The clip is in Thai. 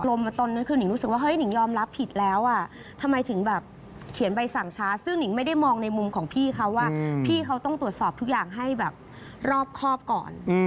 ตอนนั้นคือนิงรู้สึกว่าเฮ้ยนิงยอมรับผิดแล้วอ่ะทำไมถึงแบบเขียนใบสั่งช้าซึ่งหนิงไม่ได้มองในมุมของพี่เขาว่าพี่เขาต้องตรวจสอบทุกอย่างให้แบบรอบครอบก่อน